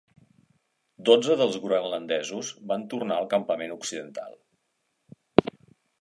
Dotze dels groenlandesos van tornar al campament occidental.